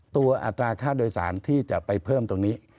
อัตราค่าโดยสารที่จะไปเพิ่มตรงนี้